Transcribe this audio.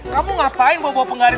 kamu ngapain bawa bawa penggari